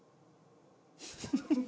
フフフフ！